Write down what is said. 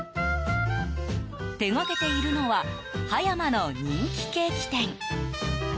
手がけているのは葉山の人気ケーキ店。